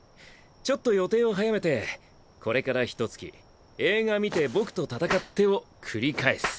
ちょっと予定を早めてこれからひと月映画見て僕と戦ってを繰り返す。